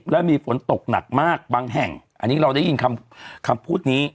และมีฝนตกหนักมากบางแห่งอันนี้เราได้ยินคำพูดนี้